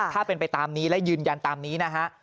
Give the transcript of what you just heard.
ถ้าเป็นไปตามนี้และยืนยันตามนี้นะฮะ